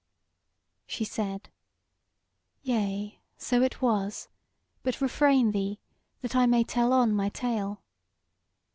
She said: "Yea, so it was; but refrain thee, that I may tell on my tale!